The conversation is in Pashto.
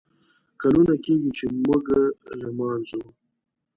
کلونه کیږي ، چې موږه لمانځو